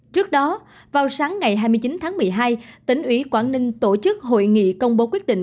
trước đó vào sáng ngày hai mươi chín tháng một mươi hai tỉnh ủy quảng ninh tổ chức hội nghị công bố quyết định